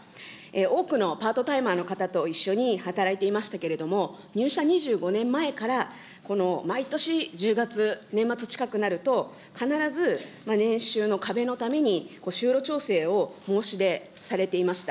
多くのパートタイマーの方と一緒に働いていましたけれども、入社２５年前から、この毎年１０月、年末近くになると、必ず年収の壁のために、就労調整を申し出されていました。